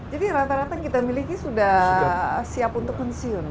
jadi rata rata yang kita miliki sudah siap untuk pensiun